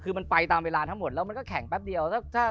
คือมันไปตามเวลาทั้งหมดแล้วมันก็แข่งแป๊บเดียว